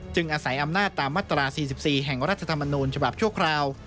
อาศัยอำนาจตามมาตรา๔๔แห่งรัฐธรรมนูญฉบับชั่วคราว